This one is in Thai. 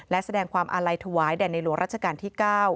และแสดงความอาลัยถวายแด่ในหลวงรัชกาลที่๙